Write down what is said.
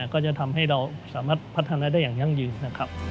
ก็จะทำให้เราสามารถพัฒนาได้อย่างยั่งยืนนะครับ